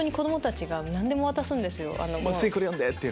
次これ読んで！って。